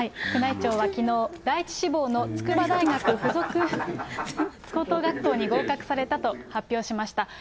宮内庁はきのう、第１志望の筑波大学附属高等学校に合格されたと発表しました。